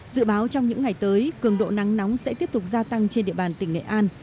dự báo trong những ngày tới cường độ nắng nóng sẽ tiếp tục gia tăng trên địa bàn tỉnh nghệ an